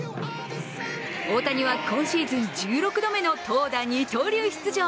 大谷は今シーズン１６度目の投打二刀流出場。